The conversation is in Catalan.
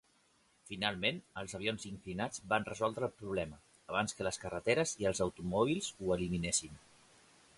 Finalment, els avions inclinats van resoldre el problema, abans que les carreteres i els automòbils ho eliminessin.